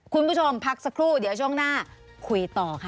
พักสักครู่เดี๋ยวช่วงหน้าคุยต่อค่ะ